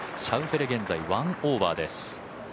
シャウフェレ、現在１オーバーです。